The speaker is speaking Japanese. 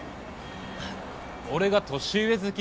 ・俺が年上好き？